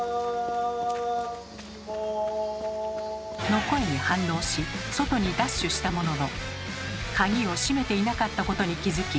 の声に反応し外にダッシュしたものの鍵をしめていなかったことに気付き